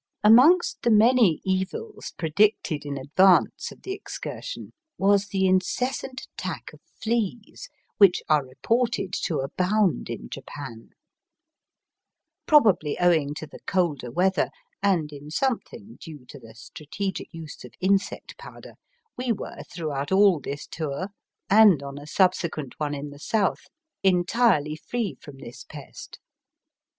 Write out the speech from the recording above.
Amongst the many evils predicted in ad vance of the excursion was the incessant attack of fleas, which are reported to abound in Japan* Probably owing to the colder weather, and in something due to the strategic use of insect powder, we were throughout all Digitized by VjOOQIC ACBOSS COTJNTEY IN JINBIKISHAS. 249 this tour, and on a subsequent one in the south, entirely free from this pest.